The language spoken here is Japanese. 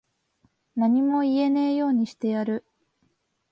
何も言えねぇようにしてやる。